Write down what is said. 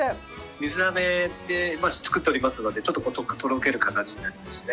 水あめで作っておりますのでちょっとこうとろける形になりますね。